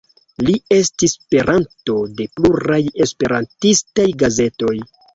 Li estis peranto de pluraj esperantistaj gazetoj.